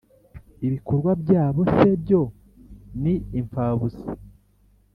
Ibikorwa byabo se byo? Ni impfabusa.